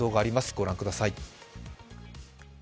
ご覧ください。